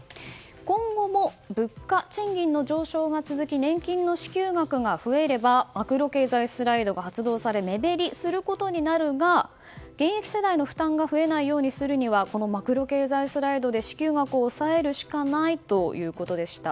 今後も物価、賃金の上昇が続き年金の支給額が増えればマクロ経済スライドが発動され目減りすることになれば現役世代の負担が増えないようにするにはこのマクロ経済スライドで支給額を抑えるしかないということでした。